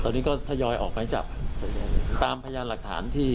ตอนนี้ก็ทยอยออกหมายจับตามพยานหลักฐานที่